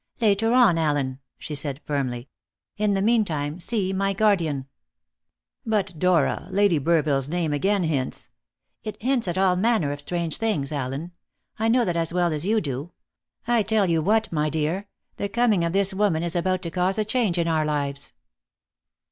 "Later on, Allen," she said firmly; "in the meantime, see my guardian." "But, Dora, Lady Burville's name again hints " "It hints at all manner of strange things, Allen. I know that as well as you do. I tell you what, my dear: the coming of this woman is about to cause a change in our lives."